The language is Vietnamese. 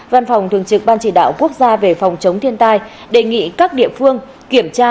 văn phòng thường trực ban chỉ đạo quốc gia về phòng chống thiên tai đề nghị các địa phương kiểm tra